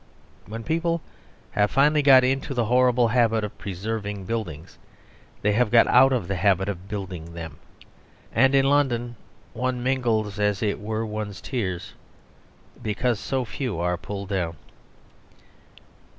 When people have finally got into the horrible habit of preserving buildings, they have got out of the habit of building them. And in London one mingles, as it were, one's tears because so few are pulled down.